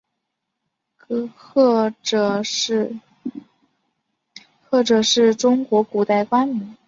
谒者是中国古代官名。